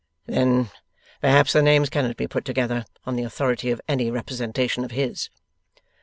'Then perhaps the names cannot be put together on the authority of any representation of his?